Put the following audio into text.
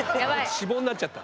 脂肪になっちゃった。